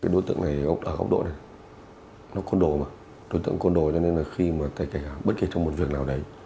đối tượng con đồ mà đối tượng con đồ cho nên là khi mà tài cảnh bất kỳ trong một việc nào đấy